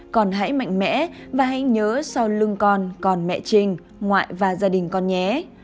con hãy mạnh mẽ và hãy nhớ sau lưng con con mẹ trinh ngoại và gia đình con nhé